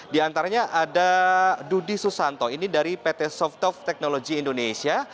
diantaranya ada dudi susanto ini dari pt softof technology indonesia